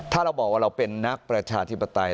ถ้าเราบอกว่าเราเป็นนักประชาธิปไตย